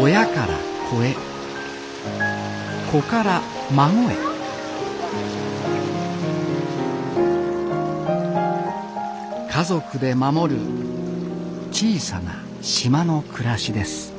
親から子へ子から孫へ家族で守る小さな島の暮らしです